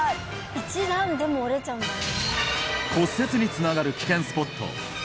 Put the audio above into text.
１段でも折れちゃうんだね